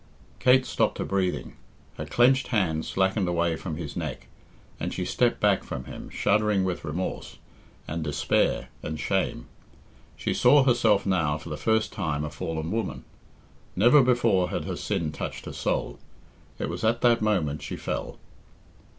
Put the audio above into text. Kate stopped her breathing. Her clenched hands slackened away from his neck, and she stepped back from him, shuddering with remorse, and despair, and shame. She saw herself now for the first time a fallen woman. Never before had her sin touched her soul. It was at that moment she fell.